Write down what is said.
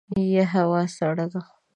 یه هوا سړه ده !